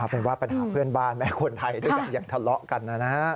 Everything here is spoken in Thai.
เป็นว่าปัญหาเพื่อนบ้านแม้คนไทยด้วยกันยังทะเลาะกันนะฮะ